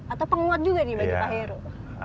atau penguat juga nih bagi pak heru